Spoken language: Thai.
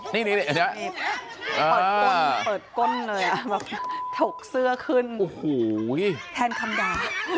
นี่เปิดก้นเลยอ่ะถูกเสื้อขึ้นแทนคำด่า